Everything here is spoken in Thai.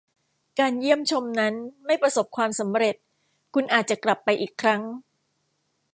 การเยี่ยมชมนั้นไม่ประสบความสำเร็จคุณอาจจะกลับไปอีกครั้ง ?